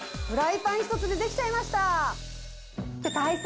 フライパン１つで出来ちゃいました。